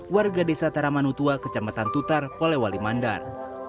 warga desa taramanutua kecamatan tutar polewali mandar